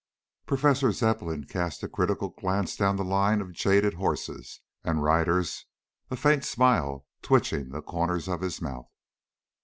Professor Zepplin cast a critical glance down the line of jaded horses and riders, a faint smile twitching the corners of his mouth.